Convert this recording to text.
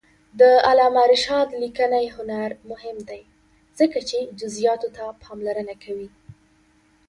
د علامه رشاد لیکنی هنر مهم دی ځکه چې جزئیاتو ته پاملرنه کوي.